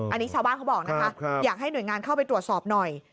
อันนี้ชาวบ้านเขาบอกนะคะอยากให้หน่วยงานเข้าไปตรวจสอบหน่อย